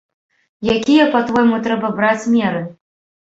Якія, па-твойму, трэба браць меры?